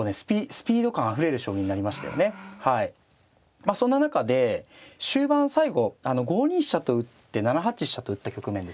まあそんな中で終盤最後５二飛車と打って７八飛車と打った局面ですね